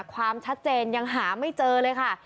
ความชัดเจนยังหาไม่เจอเลยค่ะ